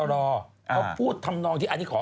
เพราะพูดทำนองที่อาณิขอ